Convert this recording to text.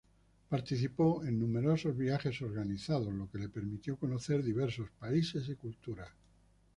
Participó en numerosos viajes organizados, lo que le permitió conocer diversos países y culturas.